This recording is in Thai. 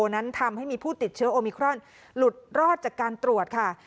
นั้นทำให้มีผู้ติดเชื้อโอมิครอนหลุดรอดจากการตรวจค่ะ